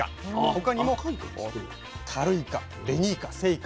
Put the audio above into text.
他にも「タルイカ」「ベニイカ」「セーイカ」。